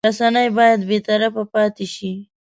رسنۍ باید بېطرفه پاتې شي.